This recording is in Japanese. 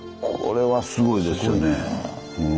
これはすごいですよね。